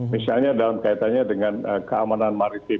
misalnya dalam kaitannya dengan keamanan maritim